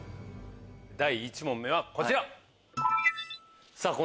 第１問目はこちら。